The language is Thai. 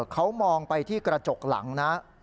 เขามองไปที่กระจกหลังนะ